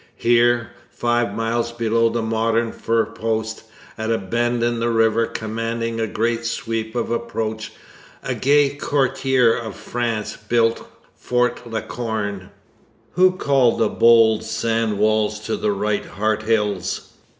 Here, five miles below the modern fur post, at a bend in the river commanding a great sweep of approach, a gay courtier of France built Fort La Corne. Who called the bold sand walls to the right Heart Hills?